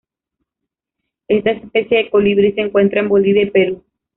Esta especie de colibrí, se encuentra en Bolivia y Perú.